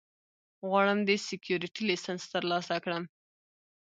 غواړم د سیکیورټي لېسنس ترلاسه کړم